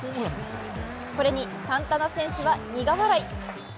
これにサンタナ選手は苦笑い。